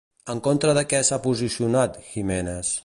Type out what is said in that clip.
En contra de què s'ha posicionat Giménez?